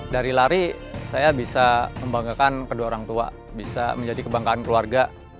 dari lari saya bisa membanggakan kedua orang tua bisa menjadi kebanggaan keluarga